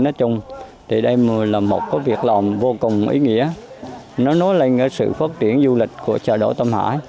nói chung thì đây là một việc làm vô cùng ý nghĩa nó nói lên sự phát triển du lịch của xã đảo tâm hải